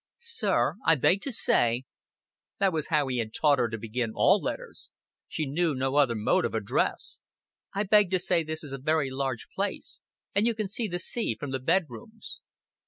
"Sir, I beg to say" That was how he had taught her to begin all letters: she knew no other mode of address. "I beg to say this is a very large place and you can see the sea from the bedrooms."